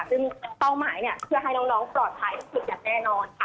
ซึ่งเรามาเผื่อให้น้องปลอดภัยสุขจัดแน่นอนค่ะ